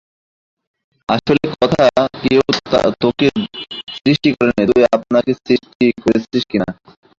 আসল কথা, কেউ তোকে সৃষ্টি করেনি, তুই আপনাকে আপনি সৃষ্টি করেছিস কিনা।